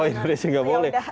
oh indonesia gak boleh